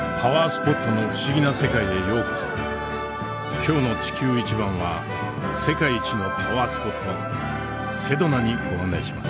今日の「地球イチバン」は世界一のパワースポットセドナにご案内します。